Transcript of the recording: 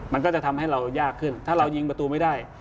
มันก็จะทำให้เรายากขึ้นถ้าเรายิงประตูไม่ได้